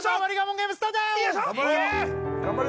ゲームスタート頑張れ！